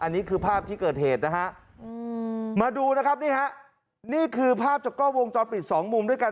นี่คือภาพที่เกิดเหตุมาดูนะครับนี่คือภาพจากกล้อวงจอปิด๒มุมด้วยกัน